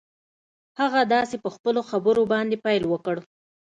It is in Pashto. هغه داسې په خپلو خبرو باندې پيل وکړ.